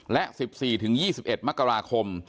และ๑๔๒๑มกราคม